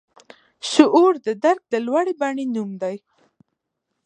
شعور د درک د لوړې بڼې نوم دی.